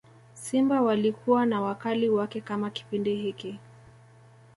simba walikuwa na wakali wake kama Kipindi hiki